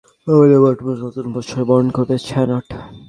প্রতিবছরের মতো এবারও রাজধানীর রমনার বটমূলে নতুন বছরকে বরণ করবে ছায়ানট।